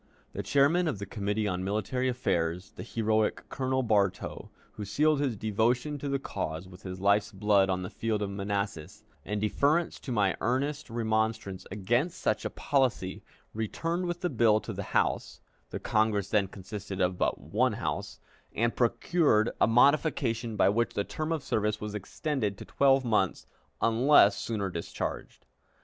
The chairman of the Committee on Military Affairs, the heroic Colonel Bartow, who sealed his devotion to the cause with his life's blood on the field of Manassas, in deference to my earnest remonstrance against such a policy, returned with the bill to the House (the Congress then consisted of but one House), and procured a modification by which the term of service was extended to twelve months unless sooner discharged.